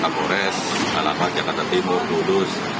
polres kalapak jakarta timur budus